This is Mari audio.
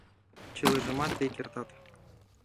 Чылажымат тый кертат: